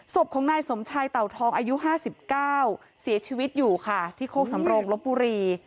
ศพของนายสมชายเต่าทองอายุ๕๙เสียชีวิตอยู่ค่ะที่โคกสำโรงลบบุรี